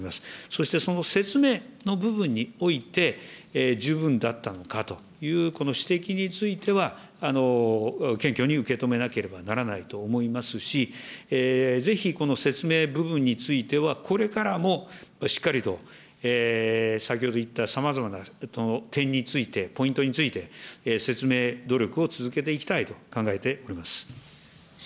そしてその説明の部分において十分だったのかという、この指摘については、謙虚に受け止めなければならないと思いますし、ぜひこの説明部分については、これからもしっかりと、先ほど言った、さまざまな点について、ポイントについて、説明努力を続けていきたいと考えております。